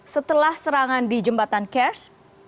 setelah serangan di jembatan kers